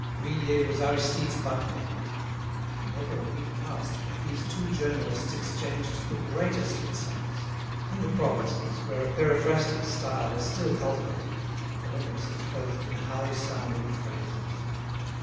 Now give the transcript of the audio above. Vuillet was Aristide's bugbear. Never a week passed but these two journalists exchanged the greatest insults. In the provinces, where a periphrastic style is still cultivated, polemics are clothed in high sounding phrases.